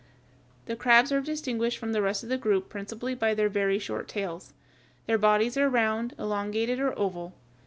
The crabs are distinguished from the rest of the group principally by their very short tails. Their bodies are round, elongated, or oval.